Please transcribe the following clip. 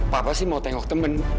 papa sih mau tengok temen